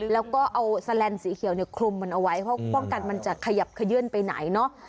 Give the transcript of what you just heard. แล้วก็เอาแสลนสีเขียวเนี่ยคลุมมันเอาไว้เพราะป้องกันมันจะขยับขยื่นไปไหนเนาะ